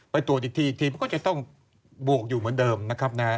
ตรวจอีกทีทีมก็จะต้องบวกอยู่เหมือนเดิมนะครับ